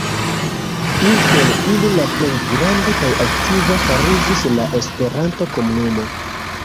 Inter ili la plej granda kaj aktiva fariĝis la Esperanto-komunumo.